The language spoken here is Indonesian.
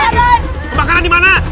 kebakaran di mana